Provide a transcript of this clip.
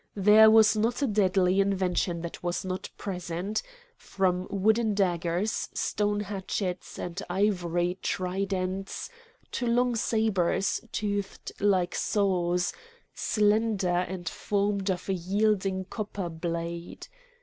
There was not a deadly invention that was not present—from wooden daggers, stone hatchets and ivory tridents, to long sabres toothed like saws, slender, and formed of a yielding copper blade.